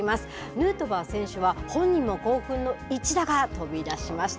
ヌートバー選手は、本人も興奮の一打が飛び出しました。